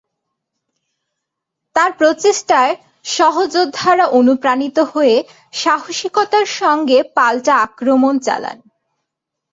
তার প্রচেষ্টায় সহযোদ্ধারা অনুপ্রাণিত হয়ে সাহসিকতার সঙ্গে পাল্টা আক্রমণ চালান।